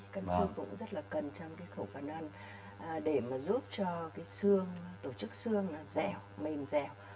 canxi cũng rất là cần trong cái khẩu phần ăn để mà giúp cho cái xương tổ chức xương là dẻo mềm dẻo